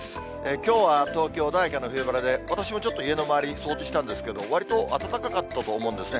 きょうは東京、穏やかな冬晴れで、私もちょっと、家の周り、掃除したんですけど、わりと暖かかったと思うんですね。